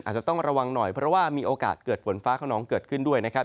อาจจะต้องระวังหน่อยเพราะว่ามีโอกาสเกิดฝนฟ้าขนองเกิดขึ้นด้วยนะครับ